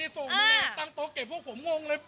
ผมอยู่คุณต้องหยุด